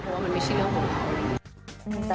เพราะว่ามันไม่ใช่เรื่องของเขา